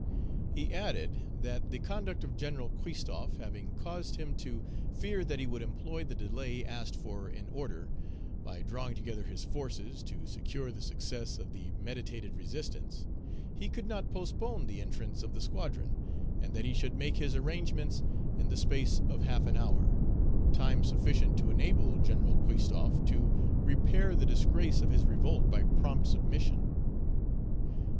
He added, that the conduct of General Christophe having caused him to fear that he would employ the delay asked for in order, by drawing together his forces, to secure the success of the meditated resistance, he could not postpone the entrance of the squadron, and that he should make his arrangements in the space of half an hour, time sufficient to enable General Chrisophe to repair the disgrace of his revolt by prompt submission.